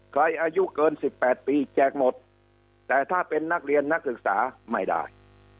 อายุเกิน๑๘ปีแจกหมดแต่ถ้าเป็นนักเรียนนักศึกษาไม่ได้